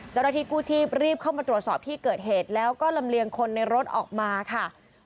เจ้าหน้าที่กู้ชีพรีบเข้ามาตรวจสอบที่เกิดเหตุแล้วก็ลำเลียงคนในรถออกมาค่ะ